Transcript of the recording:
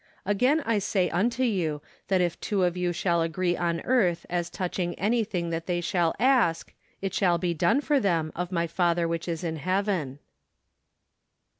" Again I sag unto you, That if two of you shall agree on earth as touching anything that they shall ask, it shall be done for them of my Father which is in heaven